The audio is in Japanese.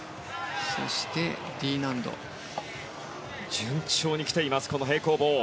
順調に来ています平行棒。